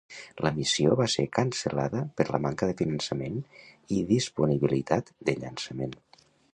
La missió va ser cancel·lada per la manca de finançament i disponibilitat de llançament.